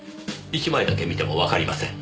１枚だけ見てもわかりません。